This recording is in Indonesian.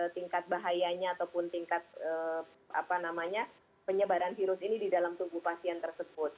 tingkat bahayanya ataupun tingkat penyebaran virus ini di dalam tubuh pasien tersebut